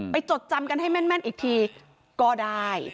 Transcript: จดจำกันให้แม่นอีกทีก็ได้